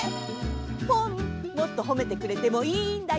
ポンもっとほめてくれてもいいんだよ。